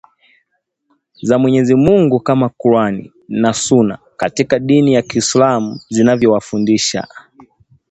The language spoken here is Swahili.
za Mwenyezi Mungu kama Qur’an na Sunnah katika dini ya Kiislamu zinavyofundisha